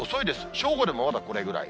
正午でもまだこれぐらい。